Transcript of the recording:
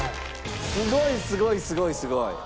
すごいすごいすごいすごい。